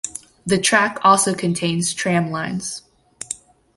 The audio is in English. The track also contains tramlines.